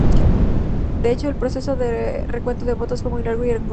De hecho, el proceso de recuento de votos fue muy largo y engorroso.